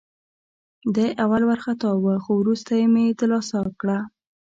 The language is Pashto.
دی اول وارخطا وه، خو وروسته مې دلاسا کړه.